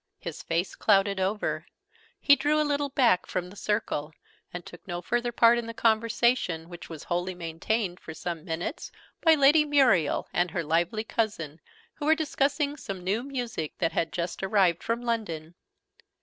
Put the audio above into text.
His face clouded over: he drew a little back from the circle, and took no further part in the conversation, which was wholly maintained, for some minutes, by Lady Muriel and her lively cousin, who were discussing some new music that had just arrived from London.